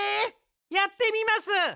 やってみます！